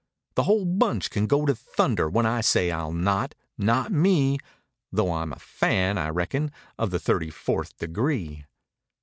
"The whole bunch can go to thunder; when I say ril not—not me" (Though Fm a fan, I reckon, of the thirty fourth degree).